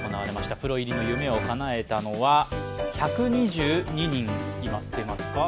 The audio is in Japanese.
プロ入りの夢をかなえたのは１２２人です。